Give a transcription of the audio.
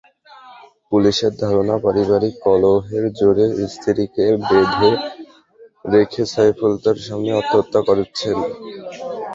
পুলিশের ধারণা, পারিবারিক কলহের জেরে স্ত্রীকে বেঁধে রেখে সাইফুল তাঁর সামনেই আত্মহত্যা করেছেন।